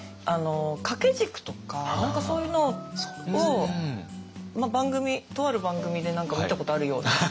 掛け軸とか何かそういうのを番組とある番組で何か見たことあるような。